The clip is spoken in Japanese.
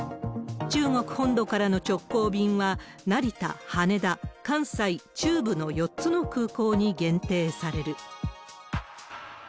中国本土からの直行便は、成田、羽田、関西、中部の４つの空港に限定される。